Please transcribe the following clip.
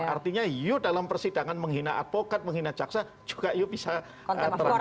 artinya dalam persidangan menghina advokat menghina caksa juga bisa terangkut